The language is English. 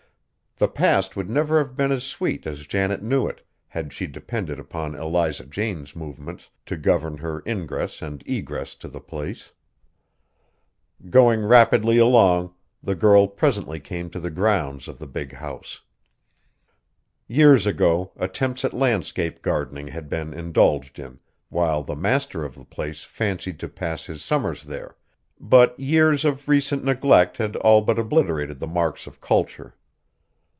The past would never have been as sweet as Janet knew it, had she depended upon Eliza Jane's movements to govern her ingress and egress to the place. Going rapidly along, the girl presently came to the grounds of the big house. Years ago attempts at landscape gardening had been indulged in, while the master of the place fancied to pass his summers there, but years of recent neglect had all but obliterated the marks of culture.